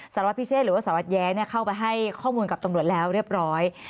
สารวัตรพิเชษหรือว่าสารวัตรแย้เข้าไปให้ข้อมูลกับตำรวจแล้วเรียบร้อย